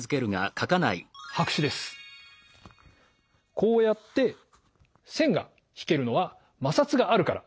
こうやって線が引けるのは摩擦があるから。